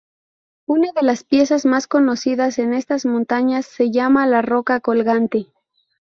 Una de las piezas más conocidas en estas montañas se llama la roca colgante.